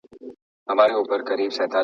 په سياست کي ريښتينولي د خلګو د باور سبب ګرځي.